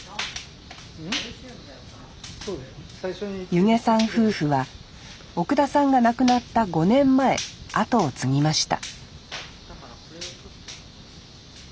弓削さん夫婦は奥田さんが亡くなった５年前後を継ぎました